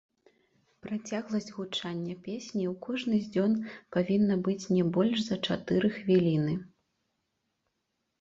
Працягласць гучання песні ў кожны з дзён павінна быць не больш за чатыры хвіліны.